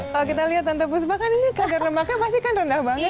kalau kita lihat tante puspa kan ini kadar lemaknya pasti kan rendah banget